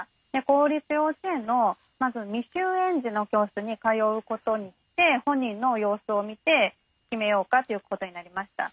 公立幼稚園のまず未就園児の教室に通うことにして本人の様子を見て決めようかということになりました。